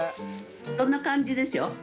そんな感じでしょ？